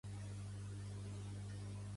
Pertany al moviment independentista el Carmelito?